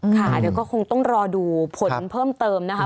ค่ะเดี๋ยวก็คงต้องรอดูผลเพิ่มเติมนะคะ